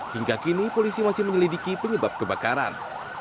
hingga kini polisi masih menyelidiki penyebab kebakaran